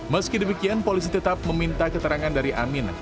meski demikian polisi tetap meminta keterangan dari amin